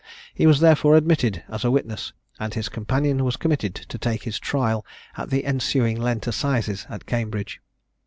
He was therefore admitted as a witness, and his companion was committed to take his trial at the ensuing Lent Assizes at Cambridge.